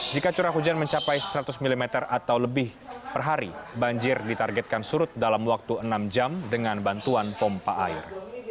jika curah hujan mencapai seratus mm atau lebih per hari banjir ditargetkan surut dalam waktu enam jam dengan bantuan pompa air